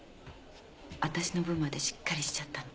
あたしの分までしっかりしちゃったの。